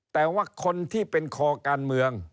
แต่ว่าคนที่เป็นคอการเมือง